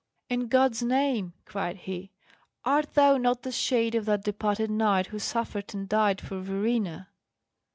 "In God's name," cried he, "art thou not the shade of that departed knight who suffered and died for Verena?"